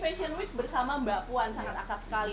fashion week bersama mbak puan sangat akrab sekali